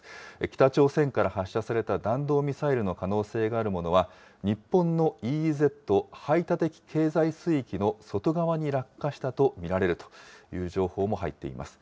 北朝鮮から発射された弾道ミサイルの可能性のあるものは、日本のＥＥＺ・排他的経済水域の外側に落下したと見られるという情報も入っています。